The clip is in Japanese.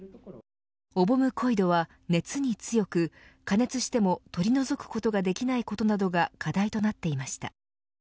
オボムコイドは熱に強く加熱しても取り除くことができないことなどが課題となっていました。